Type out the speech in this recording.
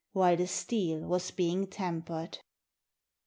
While the steel was being tempered.